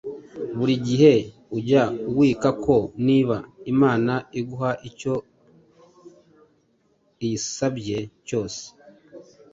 Buri gihe ujye wika ko niba Imana iguha icyo iyisabye cyose,